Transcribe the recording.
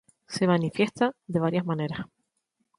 Se manifiesta de varias maneras.